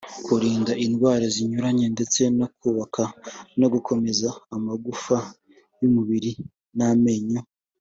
kurinda indwara zinyuranye ndetse no kubaka no gukomeza amagufa y’umubiri n’amenyo